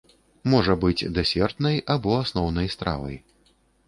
Можа быць дэсертнай або асноўнай стравай.